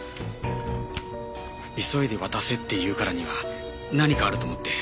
「急いで渡せ」って言うからには何かあると思って。